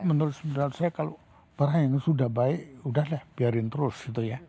menurut saya kalau barang yang sudah baik udahlah biarin terus gitu ya